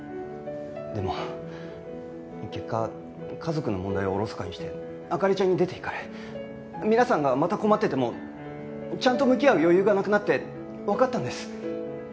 でも結果家族の問題をおろそかにして灯ちゃんに出ていかれ皆さんがまた困っててもちゃんと向き合う余裕がなくなってわかったんです。